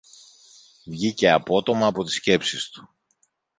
Βγήκε απότομα από τις σκέψεις του